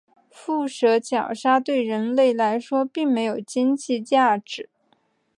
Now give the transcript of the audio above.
腹蛇角鲨对人类来说并没有经济价值。